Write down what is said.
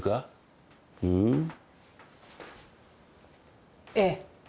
うん？ええ。